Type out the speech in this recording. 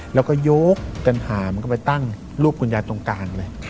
แล้วก็ยกกันหามันก็ไปตั้งรูปคุณยายตรงกลางเลย